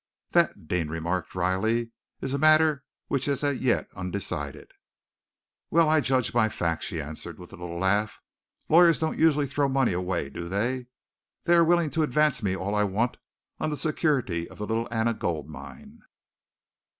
"That," Deane remarked dryly, "is a matter which is as yet undecided." "Well, I judge by facts," she answered with a little laugh. "Lawyers don't usually throw money away, do they? They're willing to advance me all I want on the security of the Little Anna Gold Mine."